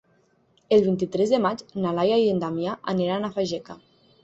El vint-i-tres de maig na Laia i en Damià aniran a Fageca.